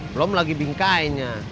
belom lagi bingkainya